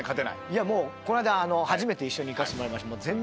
この間初めて一緒に行かせてもらいました。